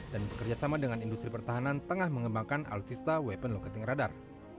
dan bekerjasama dengan industri pertahanan tengah mengembangkan alutsista weapon locating radar